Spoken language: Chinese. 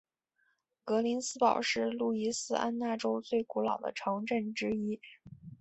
格林斯堡是路易斯安那州最古老的城镇之一。